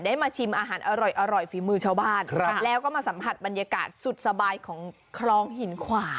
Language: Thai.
มาชิมอาหารอร่อยฝีมือชาวบ้านแล้วก็มาสัมผัสบรรยากาศสุดสบายของคลองหินขวา